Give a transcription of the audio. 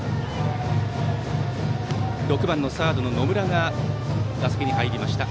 ６番サード、野村が打席に入りました。